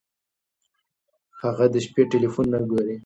هغه د شپې ټیلیفون نه ګوري.